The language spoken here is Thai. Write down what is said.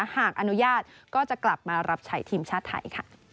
หากอนุญาตก็จะกลับมารับใช้ทีมชาติไทย